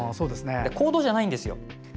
行動じゃないんですよ。